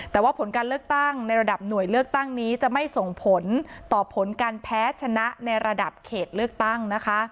แต่ว่าผลการเลือกตั้งในระดับหน่วยเลือกตั้งนี้จะไม่ส่งผลต่อผลการแพ้ชนะในระดับเขตเลือกตั้งนะคะ